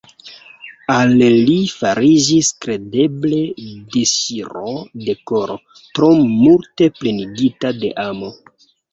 Al li fariĝis kredeble disŝiro de koro, tro multe plenigita de amo.